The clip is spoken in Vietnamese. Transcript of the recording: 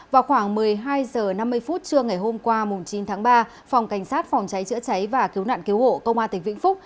vào khoảng một mươi hai h năm mươi phút trưa ngày hôm qua chín tháng ba phòng cảnh sát phòng cháy chữa cháy và cứu nạn cứu hộ công an tỉnh vĩnh phúc